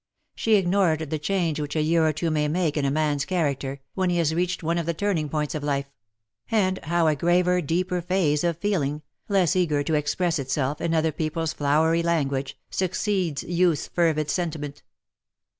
She ignored the change which a year or two may make in a man's character, when he has reached one of the turning points of life ; and how a graver deeper phase of feeling, less eager to express itself in other people's lowery language, succeeds youth's fervid sentiment.